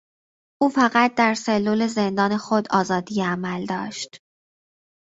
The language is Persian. او فقط در سلول زندان خود آزادی عمل داشت.